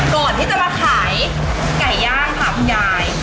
ก่อนที่จะมาขายไก่ย่างค่ะคุณยาย